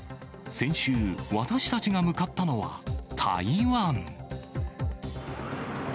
先週、私たちが向かったのは台湾。